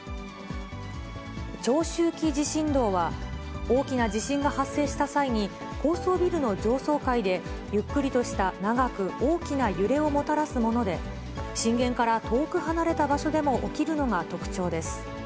長周期地震動は、大きな地震が発生した際に、高層ビルの上層階で、ゆっくりとした長く大きな揺れをもたらすもので、震源から遠く離れた場所でも起きるのが特徴です。